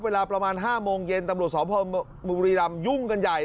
เวลาประมาณ๕โมงเย็นตำรวจสพบุรีรำยุ่งกันใหญ่